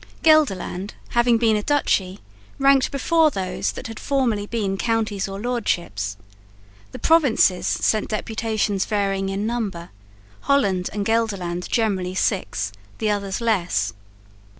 Gelderland, having been a duchy, ranked before those that had formerly been counties or lordships. The provinces sent deputations varying in number; Holland and Gelderland generally six, the others less.